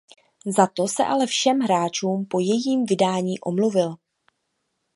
Za to se ale všem hráčům po jejím vydání omluvil.